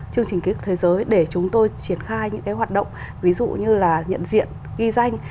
chương trình ký ức thế giới để chúng tôi triển khai những cái hoạt động ví dụ như là nhận diện ghi danh